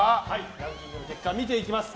ランキングの結果見ていきます。